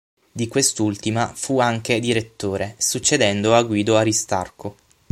Di quest'ultima fu anche direttore, succedendo a Guido Aristarco.